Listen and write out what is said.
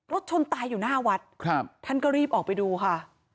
ชนตายอยู่หน้าวัดครับท่านก็รีบออกไปดูค่ะ